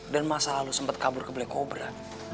dan masa lalu sempet kabur ke black cobra